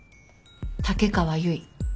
竹川由衣。